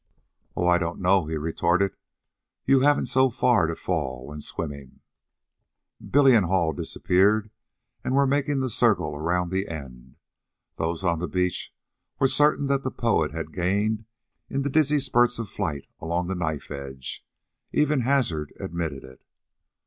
"Oh, I don't know," he retorted. "You haven't so far to fall when swimming." Billy and Hall had disappeared and were making the circle around the end. Those on the beach were certain that the poet had gained in the dizzy spurts of flight along the knife edge. Even Hazard admitted it.